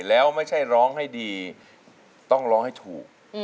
แล้วไม่ใช่ร้องให้ดีต้องร้องให้ถูก